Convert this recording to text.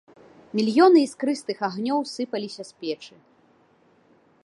Мільёны іскрыстых агнёў сыпаліся з печы.